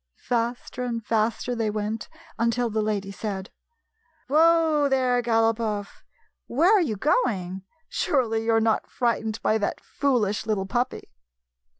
Faster and faster they went, until the lady said :" Whoa, there, Galopoff ! Where are you going? Surely you 're not frightened by that foolish little puppy